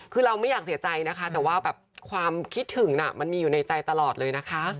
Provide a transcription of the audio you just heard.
คือเราไม่อยากเสียใจนะคะแต่ว่าแบบความคิดถึงน่ะมันมีอยู่ในใจตลอดเลยนะคะ